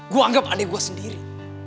gua anggap adik gua sendiri